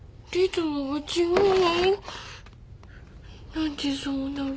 何でそうなる？